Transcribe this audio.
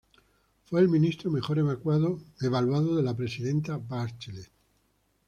Fue el ministro mejor evaluado de la presidenta Bachelet.